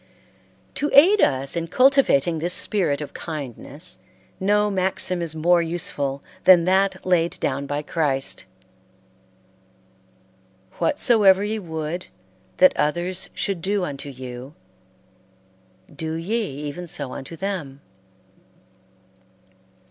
To aid us in cultivating this spirit of kindness, no maxim is more useful than that laid down by Christ: "Whatsoever ye would that others should do unto you, do ye even so unto them."